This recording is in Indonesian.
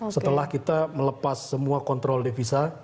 setelah kita melepas semua kontrol devisa